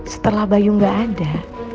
setelah bayu gak ada